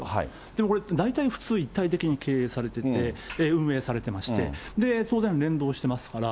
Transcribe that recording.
でもこれ、大体普通、一体的に経営されてて、運営されてまして、当然連動してますから。